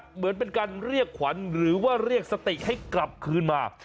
เหมือนเป็นการเรียกขวัญหรือว่าเรียกสติให้กลับคืนมา